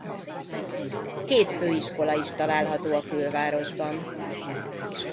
Két főiskola is található a külvárosban.